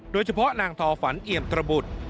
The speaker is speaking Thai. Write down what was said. โดยเฉพาะนางทอฝันเอี่ยมตระบุตร